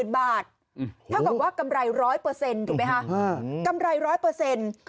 ๙๐๐๐๐บาทถ้ากับว่ากำไรร้อยเปอร์เซ็นต์ถูกไหมฮะกำไรร้อยเปอร์เซ็นต์